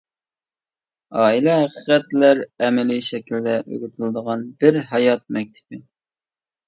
ئائىلە ھەقىقەتلەر ئەمەلىي شەكىلدە ئۆگىتىلىدىغان بىر ھايات مەكتىپى.